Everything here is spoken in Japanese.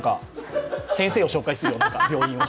先生を紹介するよ、病院の。